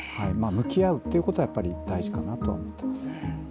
向き合うっていうことはやっぱり大事かなと思ってます。